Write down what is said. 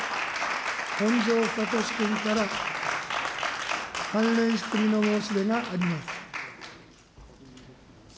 本庄知史君から、関連質疑の申し出があります。